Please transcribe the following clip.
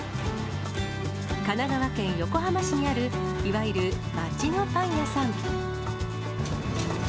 神奈川県横浜市にある、いわゆる町のパン屋さん。